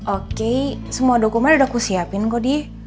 oke semua dokumen udah aku siapin kok di